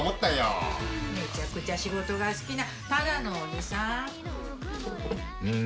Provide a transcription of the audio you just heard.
めちゃくちゃ仕事が好きなただのおじさん？